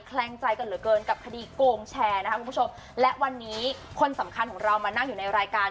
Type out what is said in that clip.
ลงใจกันเหลือเกินกับคดีโกงแชร์นะคะคุณผู้ชมและวันนี้คนสำคัญของเรามานั่งอยู่ในรายการ